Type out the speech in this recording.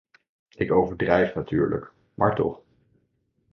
Ik overdrijf natuurlijk, maar toch.